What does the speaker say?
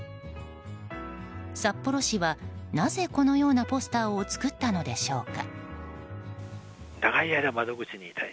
札幌市はなぜこのようなポスターを作ったのでしょうか。